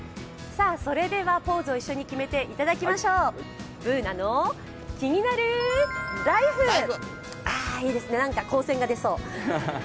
ポーズを一緒に決めていただきましょう、「ＢｏｏｎａのキニナルＬＩＦＥ」いいですね、なんか光線が出そう。